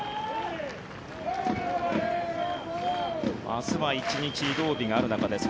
明日は１日、移動日がある中です。